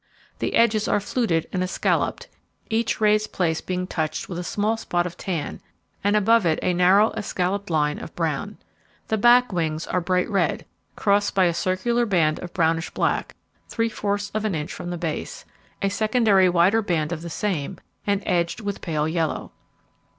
The edges are fluted and escalloped, each raised place being touched with a small spot of tan, and above it a narrow escalloped line of brown. The back wings are bright red, crossed by a circular band of brownish black, three fourths of an inch from the base, a secondary wider band of the same, and edged with pale yellow.